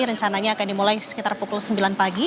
rencananya akan dimulai sekitar pukul sembilan pagi